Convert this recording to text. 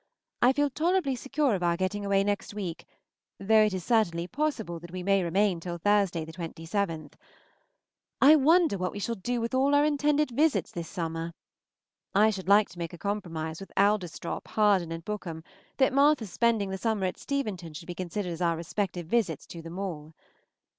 I feel tolerably secure of our getting away next week, though it is certainly possible that we may remain till Thursday the 27th. I wonder what we shall do with all our intended visits this summer! I should like to make a compromise with Adlestrop, Harden, and Bookham, that Martha's spending the summer at Steventon should be considered as our respective visits to them all.